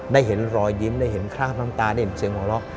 ได้เห็นรอยยิ้มได้เห็นคราบน้ำตาได้เห็นเสียงหัวเราะ